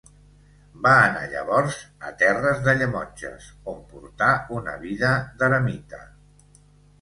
Va anar llavors a terres de Llemotges, on porta una vida d'eremita.